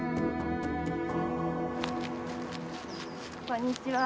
こんにちは。